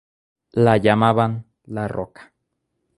La llamaban 'la Roca'.